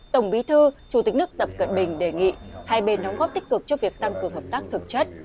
tổng bí thư chủ tịch nước tập cận bình đề nghị hai bên đóng góp tích cực cho việc tăng cường hợp tác thực chất